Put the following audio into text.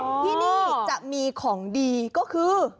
ที่นี่จะมีของดีก็คือ